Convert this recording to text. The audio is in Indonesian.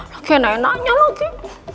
lagi enak enaknya lagi